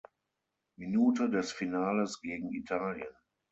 Minute des Finales gegen Italien.